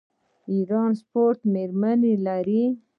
د ایران سپورټ میرمنې لري.